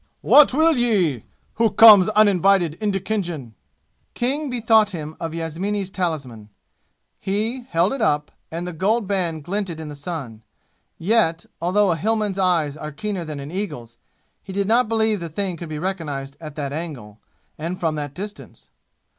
"What will ye? Who comes uninvited into Khinjan?" King bethought him of Yasmini's talisman. He, held it up, and the gold band glinted in the sun. Yet, although a Hillman's eyes are keener than an eagle's, he did not believe the thing could be recognized at that angle, and from that distance.